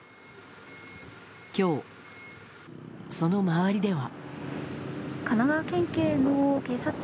今日、その周りでは。